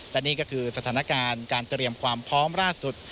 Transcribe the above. และนี่ก็คือสถานการณ์การเตรียมความพร้อมล่าสุด